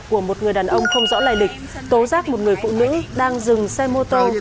của một người đàn ông không rõ lại địch tố giác một người phụ nữ đang dừng xe mô tô